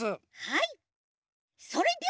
はい！